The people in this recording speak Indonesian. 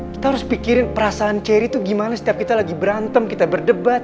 kita harus pikirin perasaan cherry tuh gimana setiap kita lagi berantem kita berdebat